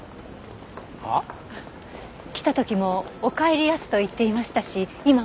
はあ？来た時も「おかえりやす」と言っていましたし今も。